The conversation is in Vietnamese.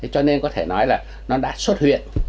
cho nên có thể nói là nó đã xuất hiện